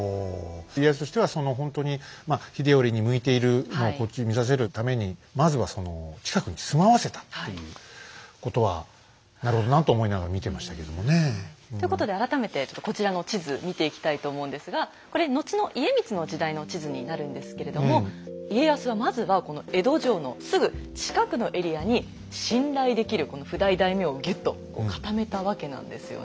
家康としてはそのほんとに秀頼に向いているのをこっちに見させるためにまずはその近くに住まわせたということはなるほどなと思いながら見てましたけどもね。ということで改めてこちらの地図見ていきたいと思うんですがこれ後の家光の時代の地図になるんですけれども家康はまずはこの江戸城のすぐ近くのエリアに信頼できるこの譜代大名をぎゅっと固めたわけなんですよね。